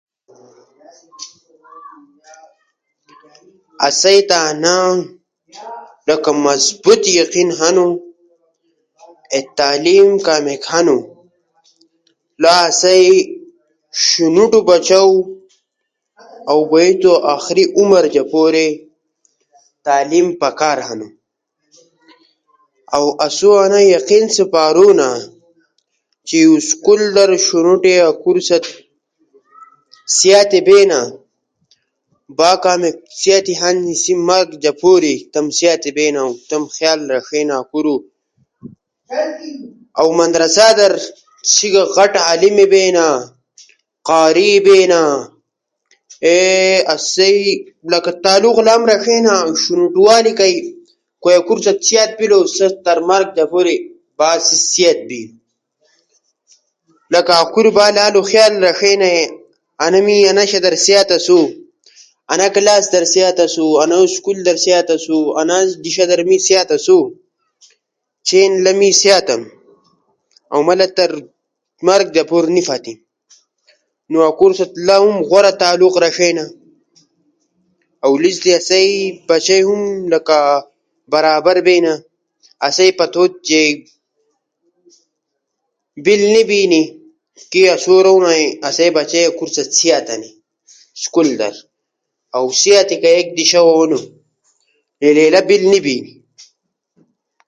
اسئ مظبوط یقین ہنو چی اسئ بچئی تعلیم در کمیک بیلی نو اسئ علاقہ خلق ھم خوشحالہ بیلی چی اسئ دیشی آیک تو فو تعلیم در کمیئاپ بیلؤ نو اسو تی کوروم تھؤ نو لیسی کارہ تعلیم در سیاتی بینا سیاتی شونوٹو والی کئ اکورو ست میلاؤ بیلی نو مدرسہ در ھم شونوٹی تعلیم در قاری بینا أو علم بینا